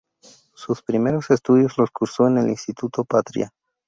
Sus primeros estudios los cursó en el Instituto Patria.